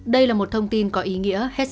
đây là một thông tin có ý nghĩa hết sức quan trọng